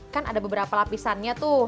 kan ada beberapa lapisannya tuh